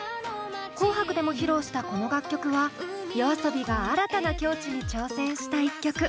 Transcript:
「紅白」でも披露したこの楽曲はＹＯＡＳＯＢＩが新たな境地に挑戦した一曲。